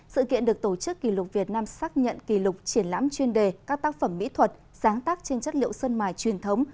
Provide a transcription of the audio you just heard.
sự kiện được tổ chức kỷ lục việt nam xác nhận kỷ lục triển lãm chuyên đề các tác phẩm mỹ thuật sáng tác trên chất liệu sơn mài truyền thống